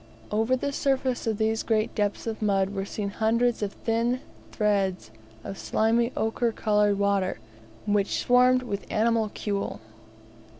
Over the surface of these great depths of mud were seen hundreds of thin threads of slimy ochre coloured water, which swarmed with animalculae.